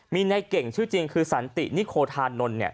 มีนายเก่งชื่อจริงคือสันตินิโคทานนท์เนี่ย